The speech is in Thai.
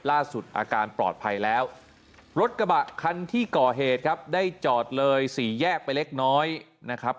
อาการปลอดภัยแล้วรถกระบะคันที่ก่อเหตุครับได้จอดเลยสี่แยกไปเล็กน้อยนะครับ